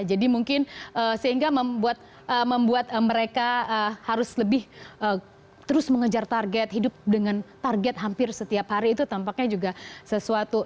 jadi mungkin sehingga membuat mereka harus lebih terus mengejar target hidup dengan target hampir setiap hari itu tampaknya juga sesuatu